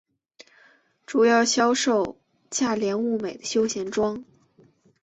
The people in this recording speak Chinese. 主要销售价廉物美的休闲装。